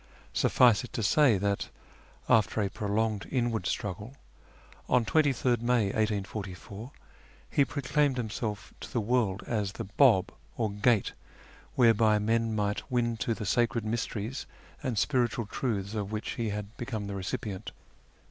Suffice it to say, that, after a prolonged inward struggle, on 23rd May 1844 he proclaimed himself to the world as the Bah or Gate whereby men might win to the sacred mysteries and spiritual truths of which he had become the recipient.